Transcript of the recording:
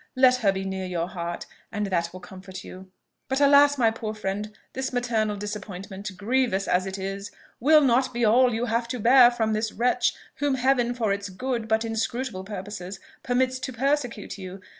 let her be near your heart, and that will comfort you. But, alas! my poor friend, this maternal disappointment, grievous as it is, will not be all you have to bear from this wretch, whom Heaven, for its good but inscrutable purposes, permits to persecute you.